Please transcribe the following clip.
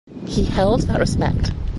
He held that respect.